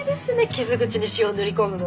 傷口に塩を塗り込むの。